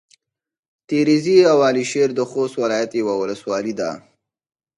تريزي او على شېر د خوست ولايت يوه ولسوالي ده.